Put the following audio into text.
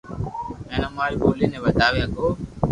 ھين اماري ٻولي ني وداوي ھگو